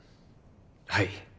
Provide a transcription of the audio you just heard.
はい。